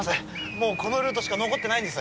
もうこのルートしか残ってないんです